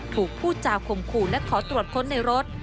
พูดจาคมขู่และขอตรวจค้นในรถ